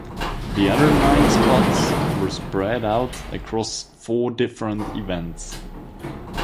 The other nine spots were spread out across four different events.